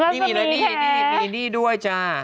นี่มีเลยนี่มีนี่ด้วยจ้า